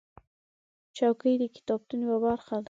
چوکۍ د کتابتون یوه برخه ده.